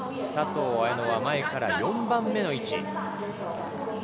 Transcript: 佐藤綾乃は前から４番目の位置。